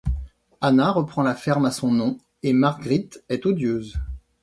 Anna reprend la ferme à son nom et Margrite est odieuse.